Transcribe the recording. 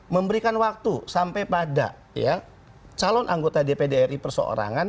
memberikan waktu sampai pada calon anggota dpdri persoarangan